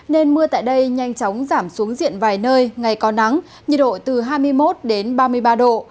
nên mưa tại đây nhanh chóng giảm xuống diện vài nơi ngày có nắng nhiệt độ từ hai mươi một đến ba mươi ba độ